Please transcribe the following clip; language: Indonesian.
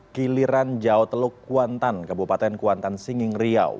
kiliran jawa teluk kuantan kabupaten kuantan singing riau